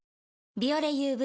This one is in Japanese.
「ビオレＵＶ」